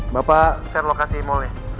bapak share lokasi mall nih